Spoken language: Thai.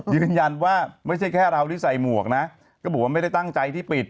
ยืนยันว่าไม่ใช่แค่เราที่ใส่หมวกนะก็บอกว่าไม่ได้ตั้งใจที่ปิด